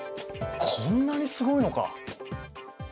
こんなにすごいのか。